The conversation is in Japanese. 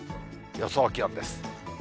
予想気温です。